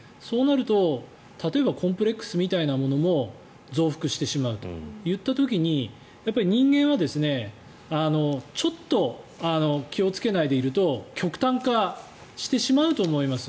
そうすると例えばコンプレックスみたいなものも増幅してしまうといった時に人間はちょっと気をつけないでいると極端化してしまうと思います。